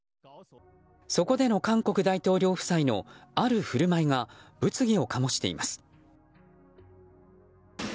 そこでの韓国大統領夫妻のある振る舞いが物議を醸しています。